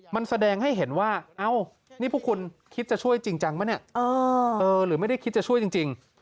มันแสดงให้เห็นว่าเอ้านี่พวกคุณคิดจะช่วยจริงจังปะเนี่ยหรือไม่ได้คิดจะช่วยจริง